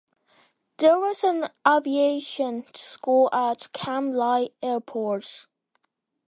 There was an aviation school at Cam Ly Airport.